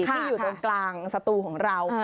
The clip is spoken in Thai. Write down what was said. ที่อยู่ตรงกลางสตูของเรา